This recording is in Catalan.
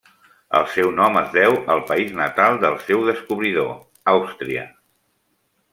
El seu nom es deu al país natal del seu descobridor, Àustria.